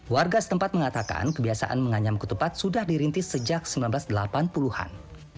warga setempat mengatakan kebiasaan menganyam ketupat sudah dirintis sejak seribu sembilan ratus delapan puluh an